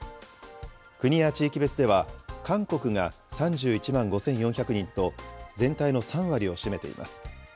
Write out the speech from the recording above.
国や地域別では、韓国が３１万５４００人と、全体の３割を占めています。